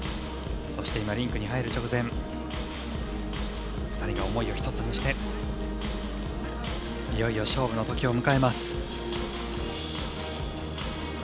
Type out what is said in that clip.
そしてリンクに入る直前２人が思いを１つにしていよいよ勝負のときを迎えます。